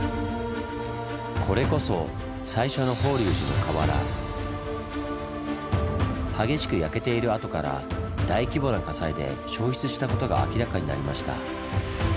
これこそ激しく焼けている跡から大規模な火災で消失したことが明らかになりました。